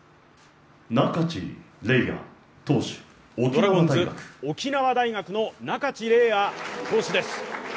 ドラゴンズ、沖縄大学の仲地礼亜投手です。